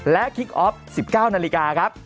และคิกออฟ๑๙นาฬิกาครับ